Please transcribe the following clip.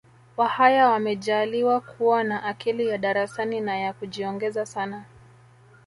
Wahaya wamejaaliwa kuwa na akili ya darasani na ya kujiongeza sana